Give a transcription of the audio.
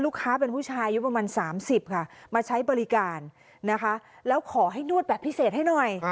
ค้าเป็นผู้ชายอายุประมาณ๓๐ค่ะมาใช้บริการนะคะแล้วขอให้นวดแบบพิเศษให้หน่อย